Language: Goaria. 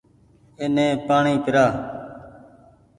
اني پآڻيٚ پيرآ